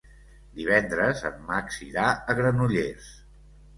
Divendres en Max irà a Granollers.